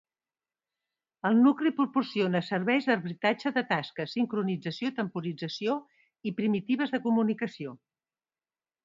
El nucli proporciona serveis d'arbitratge de tasques, sincronització, temporització i primitives de comunicació.